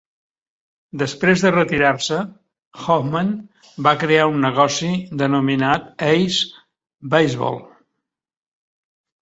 Després de retirar-se, Ohman va crear un negoci denominat Ace Baseball.